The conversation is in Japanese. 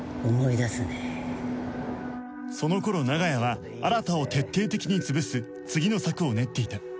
その頃長屋は新を徹底的に潰す次の策を練っていた